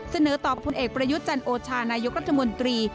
เสนอต่อพลเอกประยุทธ์จันโอชานายกรัฐมนตรี